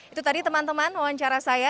itu tadi teman teman wawancara saya